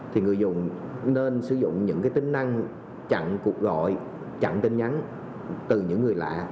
thì người dùng nên sử dụng những cái tính năng chặn cuộc gọi chặn tin nhắn từ những người lạ